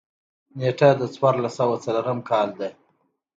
نېټه د څوارلس سوه څلورم کال ده.